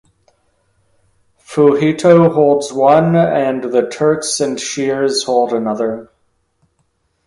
Fuhito holds one, and the Turks and Shears hold another.